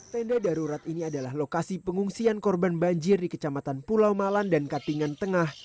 tenda darurat ini adalah lokasi pengungsian korban banjir di kecamatan pulau malan dan katingan tengah